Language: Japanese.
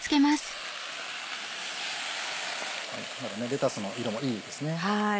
レタスの色もいいですね。